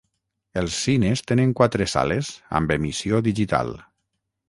Els cines tenen quatre sales amb emissió digital.